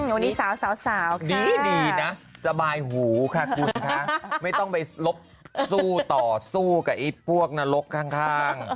วันนี้สาวดีนะสบายหูค่ะคุณคะไม่ต้องไปลบสู้ต่อสู้กับไอ้พวกนรกข้าง